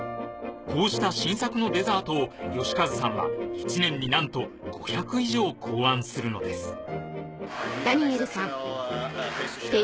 こうした新作のデザートを慶和さんは１年になんと５００以上考案するのです